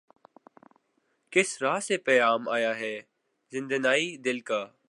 کس رہ سے پیام آیا ہے زندانئ دل کا